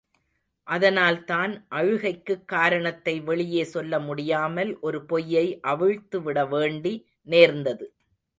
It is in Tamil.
அதனால் தான் அழுகைக்குக் காரணத்தை வெளியே சொல்லமுடியாமல் ஒரு பொய்யை அவிழ்த்து விட வேண்டி நேர்ந்தது.